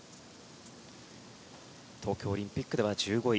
東京オリンピックでは１５位。